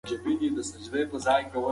زه د سهار مهال ورزش کولو عادت لرم.